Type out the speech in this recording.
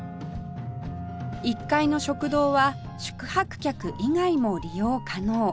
１階の食堂は宿泊客以外も利用可能